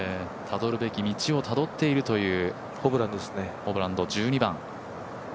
たどるべき道をたどっているというホブランド、１２番。